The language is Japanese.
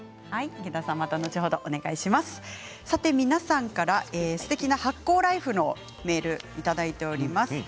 皆さんからすてきな発酵ライフのメールをいただいております。